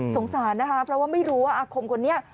สงสารนะคะเพราะว่าไม่รู้ว่าอาคมคนนี้